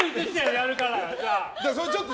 やるから。